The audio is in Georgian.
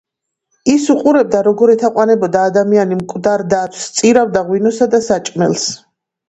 ის უყურებდა, როგორ ეთაყვანებოდა ადამიანი მკვდარ დათვს, სწირავდა ღვინოსა და საჭმელს.